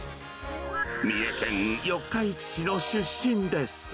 三重県四日市市の出身です。